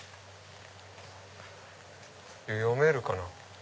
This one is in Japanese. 読めるかな。